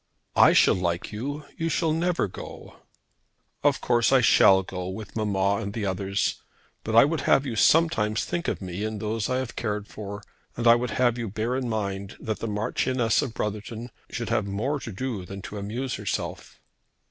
"I shall like you. You shall never go." "Of course I shall go with mamma and the others. But I would have you sometimes think of me and those I have cared for, and I would have you bear in mind that the Marchioness of Brotherton should have more to do than to amuse herself."